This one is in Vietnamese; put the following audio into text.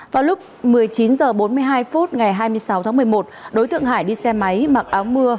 vào lúc một mươi chín h bốn mươi hai phút ngày hai mươi sáu tháng một mươi một đối tượng hải đi xe máy mặc áo mưa